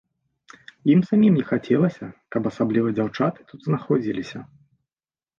Ім самім не хацелася, каб асабліва дзяўчаты тут знаходзіліся.